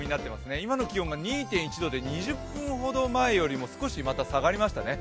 今の気温が２．１度で２０分ほど前より少し下がりましたね。